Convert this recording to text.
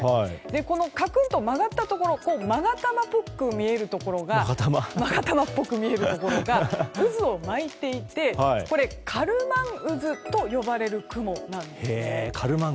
このかくんと曲がったところ勾玉っぽく見えるところが渦を巻いていてこれ、カルマン渦と呼ばれる雲なんです。